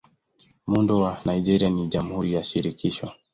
Muundo wa Nigeria ni Jamhuri ya Shirikisho.